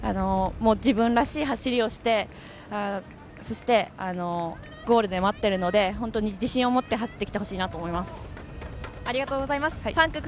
自分らしい走りをして、そしてゴールで待っているので、自信を持って走ってきてほしいなと思います。